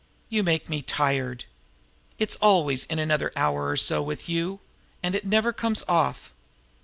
You make me tired! It's always in 'another hour or so' with you and it never comes off!"